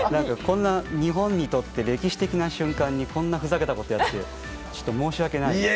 日本にとって歴史的な瞬間にこんなふざけたことをやってちょっと申し訳ないです。